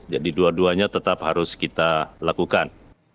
jadi dua duanya tetap harus kita lakukan